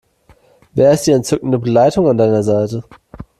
Wer ist die entzückende Begleitung an deiner Seite?